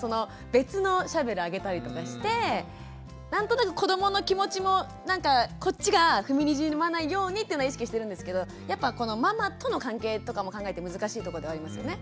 別のシャベルあげたりとかして何となく子どもの気持ちもなんかこっちが踏みにじらないようにっていうのは意識してるんですけどやっぱママとの関係とかも考えて難しいとこではありますよね。